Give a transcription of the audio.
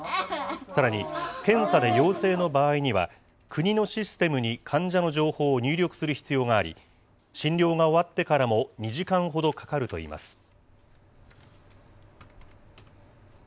さらに、検査で陽性の場合には、国のシステムに患者の情報を入力する必要があり、診療が終わってからも２時間ほどかかるといいます。